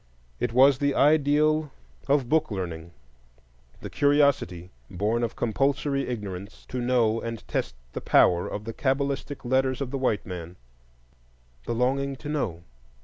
It was the ideal of "book learning"; the curiosity, born of compulsory ignorance, to know and test the power of the cabalistic letters of the white man, the longing to know.